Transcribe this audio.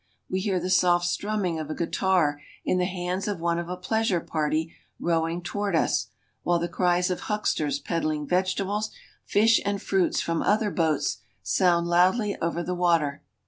We hear the soft strumming of a guitar in the hands of one of a pleasure party rowing toward us, while the cries of hucksters peddling vegetables, fish, and fruits from other boats sound loudly over the water.